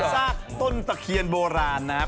ซากต้นตะเคียนโบราณนะครับ